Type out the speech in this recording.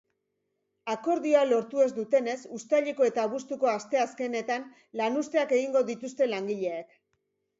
Akordioa lortu ez dutenez, uztaileko eta abuztuko asteazkenetan lanuzteak egingo dituzte langileek.